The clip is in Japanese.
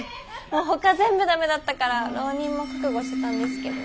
もうほか全部ダメだったから浪人も覚悟してたんですけど。